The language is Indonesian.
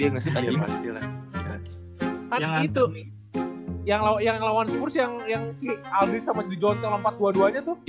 yang si aldis sama gijontel lompat dua duanya tuh